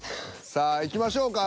さあいきましょうか。